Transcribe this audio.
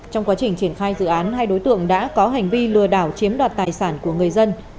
trong quá trình triển khai dự án hai đối tượng đã có hành vi lừa đảo chiếm đoạt tài sản của người dân